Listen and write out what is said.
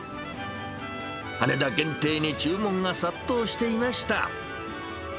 羽田限定に注文が殺到していました。